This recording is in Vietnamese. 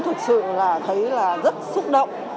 thực sự là thấy là rất xúc động